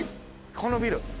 このビル。